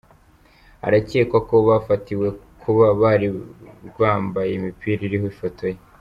Arakekwa ko bafatiwe kuba bari rwambaye imipira iriho ifoto ye.